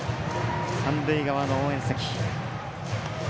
三塁側の応援席。